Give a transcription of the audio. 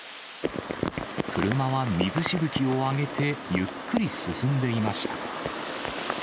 車は水しぶきを上げて、ゆっくり進んでいました。